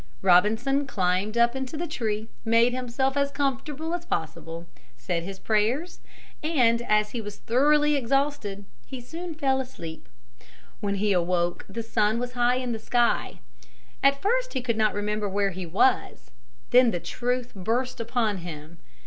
Robinson climbed up into the tree, made himself as comfortable as possible, said his prayers, and as he was thoroughly exhausted, he soon fell asleep. When he awoke the sun was high in the sky. At first he could not remember where he was. Then the truth burst upon him.